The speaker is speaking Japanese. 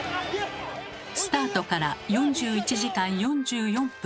スタートから４１時間４４分